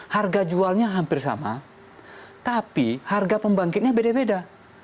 harga jualnya hampir sama tapi harga pembangkitnya beda beda